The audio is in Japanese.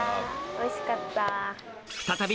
おいしかった。